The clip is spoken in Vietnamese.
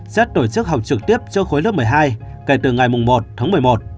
xét tổ chức học trực tiếp cho khối lớp một mươi hai kể từ ngày một tháng một mươi một